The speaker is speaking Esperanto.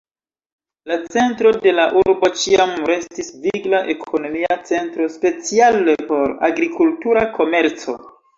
La centro de la urbo ĉiam restis vigla ekonomia centro, speciale por agrikultura komerco.